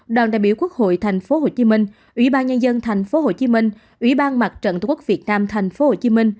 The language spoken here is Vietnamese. đoàn đại biểu quốc hội tp hcm ủy ban nhân dân tp hcm ủy ban mặt trận tổ quốc việt nam tp hcm